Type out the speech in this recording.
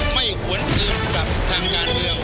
ไม่หวนอืมกับทางยานเดียว